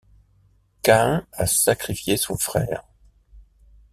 Caïn a sacrifié son frère.